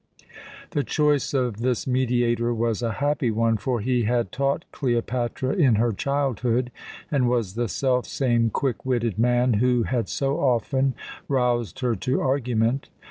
The choice of this mediator was a happy one; for he had taught Cleopatra in her childhood, and was the self same quick witted man who had so often roused her to argument.